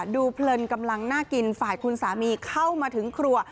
เพลินกำลังน่ากินฝ่ายคุณสามีเข้ามาถึงครัว